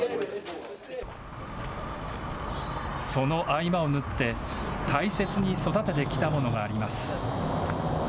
その合間を縫って大切に育ててきたものがあります。